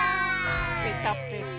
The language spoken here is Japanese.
ぺたぺた。